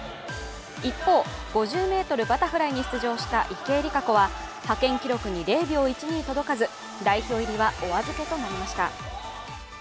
一方、５０ｍバタフライに出場した池江璃花子は派遣記録に０秒１２届かず代表入りはお預けとなりました。